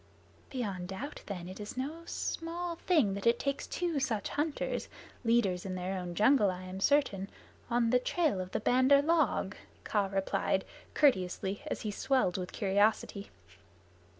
"Beyond doubt then it is no small thing that takes two such hunters leaders in their own jungle I am certain on the trail of the Bandar log," Kaa replied courteously, as he swelled with curiosity.